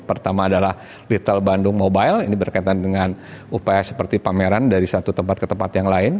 pertama adalah retail bandung mobile ini berkaitan dengan upaya seperti pameran dari satu tempat ke tempat yang lain